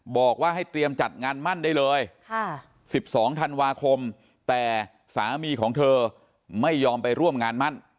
บอกว่าให้เตรียมจัดงานมั่นได้เลย๑๒ธันวาคมแต่สามีของเธอไม่ยอมไปร่วมงานมั่น